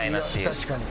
確かに。